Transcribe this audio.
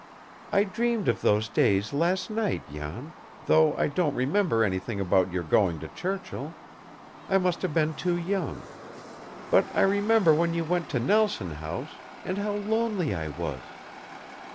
"I dreamed of those days last night, Jan, though I don't remember anything about your going to Churchill. I must have been too young; but I remember when you went to Nelson House, and how lonely I was.